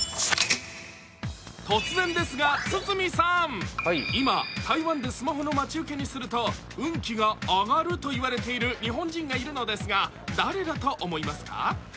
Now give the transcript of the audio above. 突然ですが、堤さん、今台湾でスマホの待ち受けにすると運気が上がるといわれている日本人がいるのですが、誰だと思いますか？